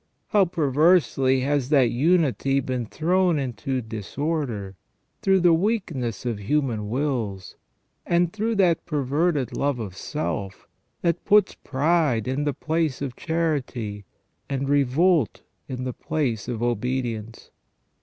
How perversely has that unity been thrown into disorder through the weakness of human wills, and through that perverted love of self that puts pride in the place of charity, and revolt in the place of obedience